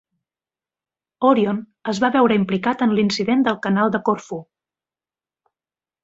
"Orion" es va veure implicat en l'incident del canal de Corfú.